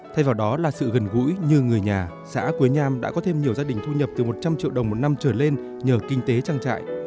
thay vào đó là sự gần gũi như người nhà xã quế nham đã có thêm nhiều gia đình thu nhập từ một trăm linh triệu đồng một năm trở lên nhờ kinh tế trang trại